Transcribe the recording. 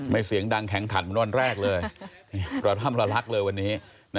ไม่เสียงดังแข็งขัดวันแรกเลยต้องพรรดารักเลยวันนี้